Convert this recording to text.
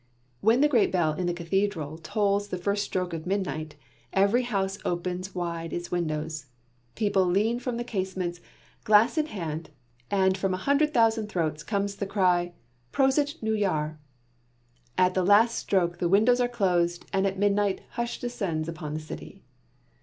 When the great bell in the cathedral tolls the first stroke of midnight, every house opens wide its windows. People lean from the casements, glass in hand, and from a hundred thousand throats comes the cry: "Prosit Neujahr!" At the last stroke, the windows are closed and a midnight hush descends upon the city.